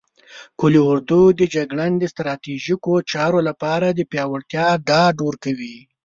قول اردو د جګړې د ستراتیژیکو چارو لپاره د پیاوړتیا ډاډ ورکوي.